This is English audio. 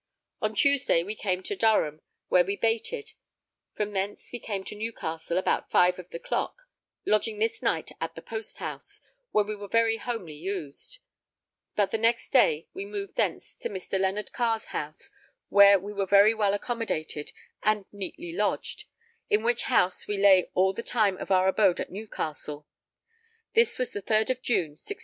On Tuesday we came to Durham, where we baited; from thence we came to Newcastle about five of the clock, lodging this night at the posthouse, where we were very homely used; but the next day we removed thence to Mr. Leonard Carr's house, where we were very well accommodated and neatly lodged, in which house we lay all the time of our abode at Newcastle; this was the 3rd of June, 1635.